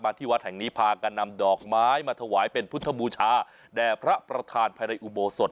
ที่วัดแห่งนี้พากันนำดอกไม้มาถวายเป็นพุทธบูชาแด่พระประธานภายในอุโบสถ